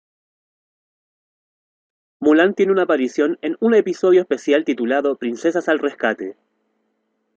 Mulan tiene una aparición en un episodio especial titulado "Princesas Al Rescate".